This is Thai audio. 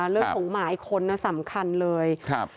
เรื่องของหมายค้นสำคัญเลยครับ